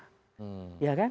pertanyaannya rakyat yang mana